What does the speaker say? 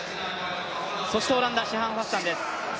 そしてオランダ、シファン・ハッサンです。